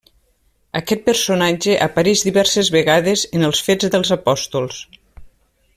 Aquest personatge apareix diverses vegades en els Fets dels apòstols.